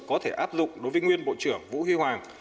có thể áp dụng đối với nguyên bộ trưởng vũ huy hoàng